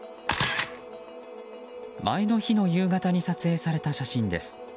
前の日の夕方に撮影された写真です。